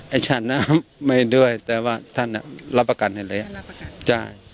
ไอ้ฉันไม่ด้วยแต่ว่าท่านรับประกันให้เลย